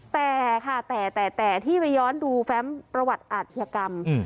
แต่ค่ะแต่แต่แต่ที่ไปย้อนดูแฟ้มประวัติอารักษ์อารัยกรรมอืม